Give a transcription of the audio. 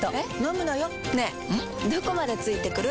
どこまで付いてくる？